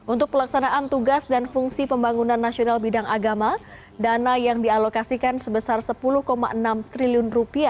untuk pelaksanaan tugas dan fungsi pembangunan nasional bidang agama dana yang dialokasikan sebesar rp sepuluh enam triliun